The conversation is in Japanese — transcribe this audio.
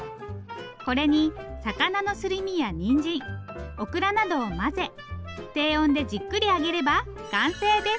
これに魚のすり身やにんじんオクラなどを混ぜ低温でじっくり揚げれば完成です。